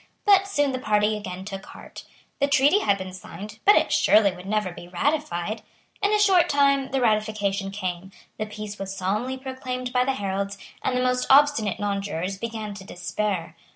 But soon the party again took heart. The treaty had been signed; but it surely would never be ratified. In a short time the ratification came; the peace was solemnly proclaimed by the heralds; and the most obstinate nonjurors began to despair.